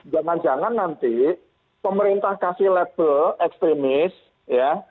jangan jangan nanti pemerintah kasih label ekstremis ya